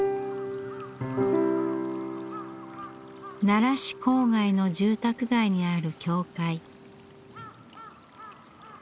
奈良市郊外の住宅街にある教会。